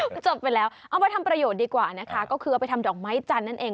ก็จบไปแล้วเอามาทำประโยชน์ดีกว่านะคะก็คือเอาไปทำดอกไม้จันทร์นั่นเอง